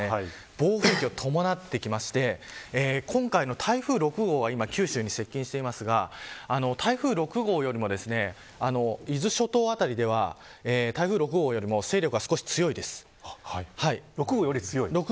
暴風域を伴ってきて今回の台風６号は九州に接近していますが台風６号よりも伊豆諸島辺りでは台風６号よりも勢力が少し強いです。